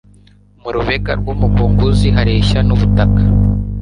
mu rubega rw'umugunguzi hareshya n'ubutaka